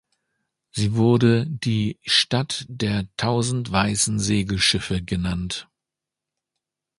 Sie wurde die „Stadt der tausend weißen Segelschiffe“ genannt.